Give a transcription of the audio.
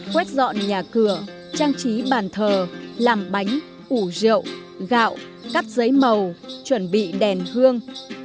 quét dọn nhà cửa trang trí bàn thờ làm bánh ủ rượu gạo cắt giấy màu chuẩn bị đèn hương